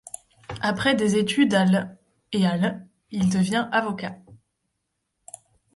Après des études à l' et à l', il devient avocat.